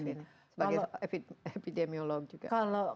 sebagai epidemiolog juga